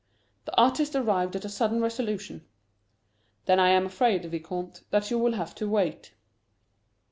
The artist arrived at a sudden resolution. "Then I am afraid, Vicomte, that you will have to wait."